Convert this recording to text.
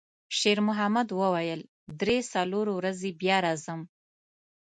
شېرمحمد وویل: «درې، څلور ورځې بیا راځم.»